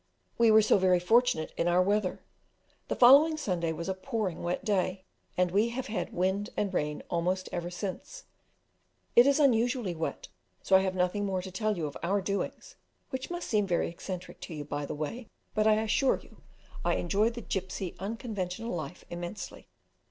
We were so very fortunate in our weather. The following Sunday was a pouring wet day, and we have had wind and rain almost ever since; it is unusually wet, so I have nothing more to tell you of our doings, which must seem very eccentric to you, by the way, but I assure you I enjoy the gipsy unconventional life immensely.